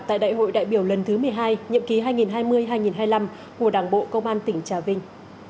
tại đại hội đại biểu lần thứ một mươi hai nhiệm ký hai nghìn hai mươi hai nghìn hai mươi năm của đảng bộ công an tỉnh trà vinh